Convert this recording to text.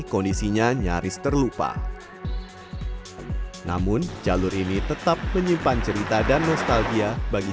kondisinya nyaris terlupa namun jalur ini tetap menyimpan cerita dan nostalgia bagi